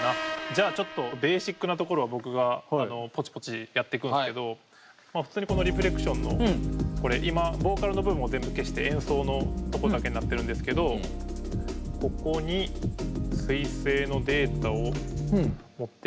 じゃあちょっとベーシックなところは僕がポチポチやってくんですけど普通にこの「ＲＥＦＬＥＣＴＩＯＮ」の今ボーカルの部分を全部消して演奏のとこだけになってるんですけどオーディオファイルを。